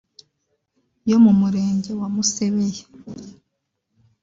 yo mu Murenge wa Musebeya